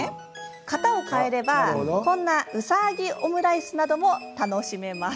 型を変えればこんなうさぎオムライスなども楽しめます。